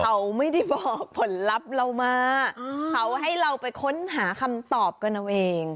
เขาไม่ได้บอกผลลัพธ์เรามาเขาให้เราไปค้นหาคำตอบกันเอาเอง